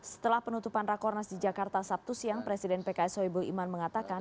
setelah penutupan rakornas di jakarta sabtu siang presiden pks soebul iman mengatakan